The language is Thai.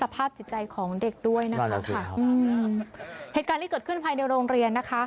ภาพจิตใจของเด็กด้วยนะคะค่ะอืมเหตุการณ์ที่เกิดขึ้นภายในโรงเรียนนะคะ